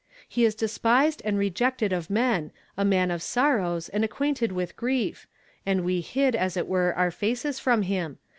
'He is despised and rejeeted of men; a man of sorrows, and ac(juiiiute<l with grief ; and we hid, as it were, our facets from him.